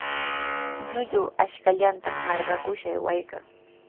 Llullu ashkallanta marqakuskir aywaykan.